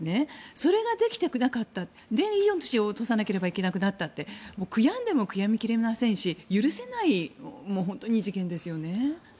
それで命を落とさなければいけなくなったって悔やんでも悔やみ切れませんし許せない事件ですよね。